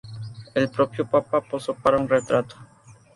El propio Papa posó para un retrato.